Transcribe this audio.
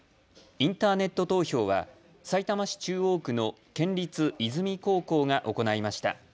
インターネット投票はさいたま市中央区の県立いずみ高校が行いました。